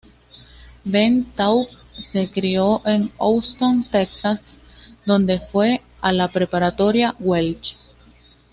Ben Taub se crio en Houston Texas donde fue a la preparatoria Welch.